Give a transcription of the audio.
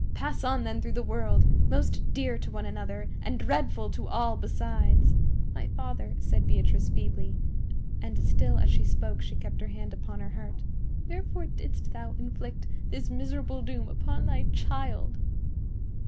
Pass on, then, through the world, most dear to one another and dreadful to all besides!" "My father," said Beatrice, feebly,—and still as she spoke she kept her hand upon her heart,—"wherefore didst thou inflict this miserable doom upon thy child?"